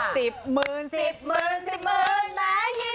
สิบหมื่นแม่ยิ้มระอืน